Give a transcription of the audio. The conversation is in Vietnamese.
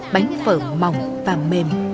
bánh phở mỏng và mềm